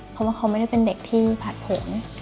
เพราะว่าเขาไม่ได้เป็นเด็กที่ผัดผม